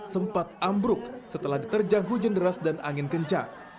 sempat ambruk setelah diterjang hujan deras dan angin kencang